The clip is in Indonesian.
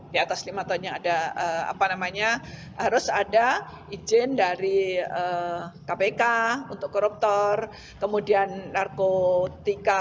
di atas lima tahun yang ada apa namanya harus ada izin dari kpk untuk koruptor kemudian narkotika